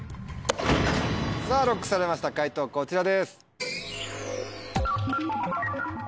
さぁＬＯＣＫされました解答こちらです。